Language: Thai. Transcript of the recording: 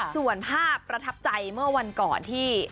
ส่วนภาพประทับใจเมื่อวันก่อนที่